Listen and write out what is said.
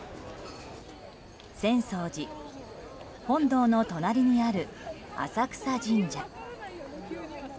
浅草寺本堂の隣にある浅草神社。